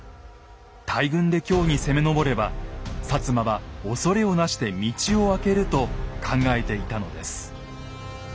大軍で京に攻め上れば摩は恐れをなして道を空けると考えていたのです。